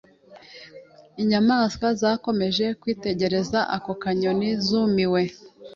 Inyamaswa zakomeje kwitegereza ako kanyoni zumiwe.